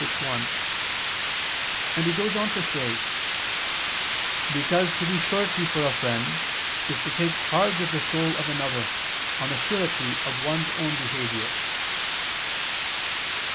6:1); and he goes on to say, "because to be surety for a friend is to take charge of the soul of another on the surety of one's own behavior."